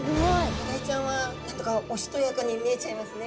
マダイちゃんは何だかおしとやかに見えちゃいますね。